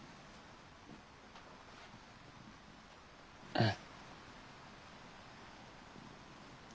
うん。